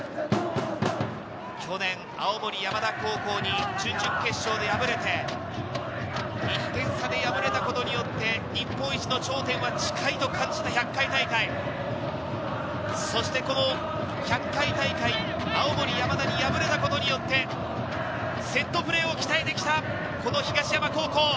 去年、青森山田高校に準々決勝で敗れて、１点差で敗れたことによって、日本一の頂点は近いと感じた１００回大会、１００回大会、青森山田に敗れたことによって、セットプレーを鍛えてきた東山高校。